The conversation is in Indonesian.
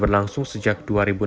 berlangsung sejak dua ribu enam belas